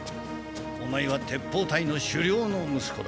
オマエは鉄砲隊の首領の息子だ。